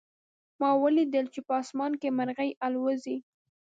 ما ولیدل چې په آسمان کې مرغۍ الوزي